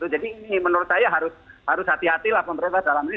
jadi ini menurut saya harus hati hatilah pemerintah dalam ini